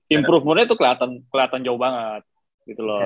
improvement nya tuh keliatan keliatan jauh banget gitu loh